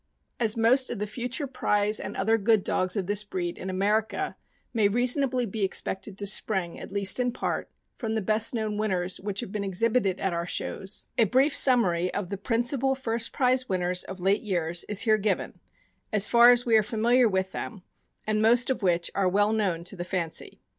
As most of the future prize and other good dogs of this breed, in America, may reasonably be expected to spring — at least in part — from the best known winners which have been exhibited at our shows, a brief summary of the principal first prize winners of late years is here given, as far as we are familiar with them, and most of which are well known to the fancy.